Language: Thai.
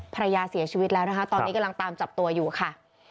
ภรรยาเสียชีวิตแล้วนะคะตอนนี้กำลังตามจับตัวอยู่ค่ะ